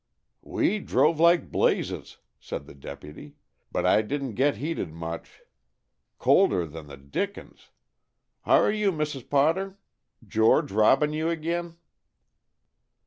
"We drove like blazes," said the deputy, "but I didn't get heated much. Colder than th' dickens. H'ar you, Mrs. Potter? George robbin' you again?"